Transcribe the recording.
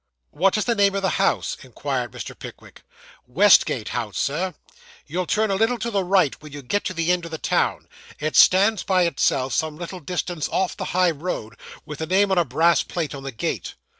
'What is the name of the house?' inquired Mr. Pickwick. 'Westgate House, Sir. You turn a little to the right when you get to the end of the town; it stands by itself, some little distance off the high road, with the name on a brass plate on the gate.